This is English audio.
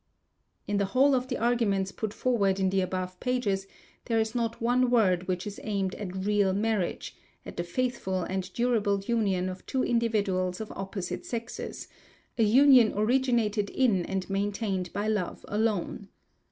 In the whole of the arguments put forward in the above pages there is not one word which is aimed at real marriage, at the faithful and durable union of two individuals of opposite sexes a union originated in and maintained by love alone.